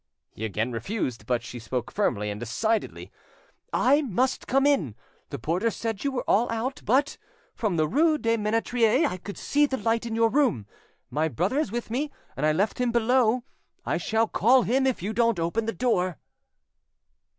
He again refused, but she spoke firmly and decidedly. "I must come in. The porter said you were all out, but, from the rue des Menetriers I could see the light in your room. My brother is with me, and I left him below. I shall call him if you don't open the door."